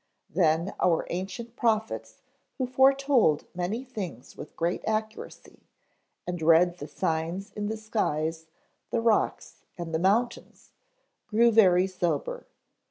Then our ancient prophets who foretold many things with great accuracy, and read the signs in the skies, the rocks, and the mountains, grew very sober.